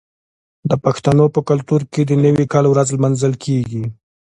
د پښتنو په کلتور کې د نوي کال ورځ لمانځل کیږي.